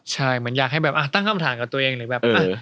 ใช่เหมือนอยากให้แบบตั้งคำถามกับตัวเองหรือแบบ